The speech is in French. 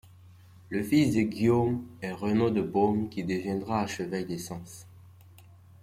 Le fils de Guillaume est Renaud de Beaune qui deviendra archevêque de Sens.